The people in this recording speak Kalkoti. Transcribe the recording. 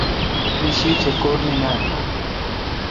می شی کلکوٹ مے° نان۔